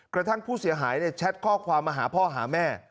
กระทั่งผู้เสียหายแชทข้อความมาหาพ่อหาแม่